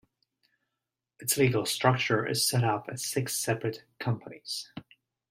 Its legal structure is set up as six separate companies.